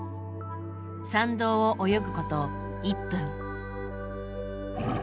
参道を泳ぐこと１分。